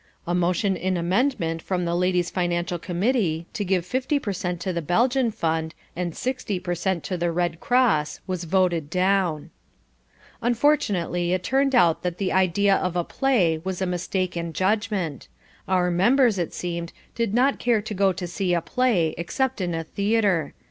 A motion in amendment from the ladies' financial committee to give fifty per cent to the Belgian Fund and sixty per cent to the Red Cross was voted down. Unfortunately it turned out that the idea of a PLAY was a mistake in judgment. Our members, it seemed, did not care to go to see a play except in a theatre.